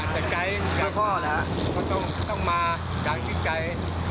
แต่ใจต้องมาอยากทิ้งใจ